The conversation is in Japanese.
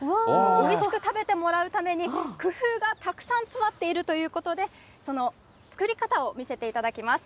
おいしく食べてもらうために、工夫がたくさん詰まっているということで、その作り方を見せていただきます。